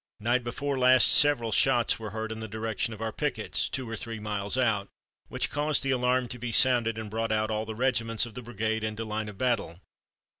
Night before last several shots were heard in the direction of our pickets two or three miles out, which caused the alarm to be sounded and brought out all the regiments of the brigade into line of battle.